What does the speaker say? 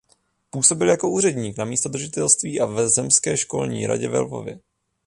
Působil jako úředník na místodržitelství a v zemské školní radě ve Lvově.